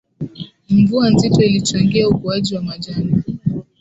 mvua nzito ilichangia ukuaji wa majani